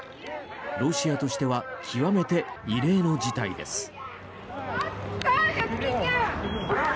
ロシアとしては極めて異例の事態です。